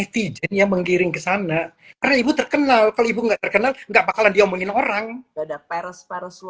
karena ibu terkenal kalau ibu nggak terkenal nggak bakalan diomongin orang ada peres peres lu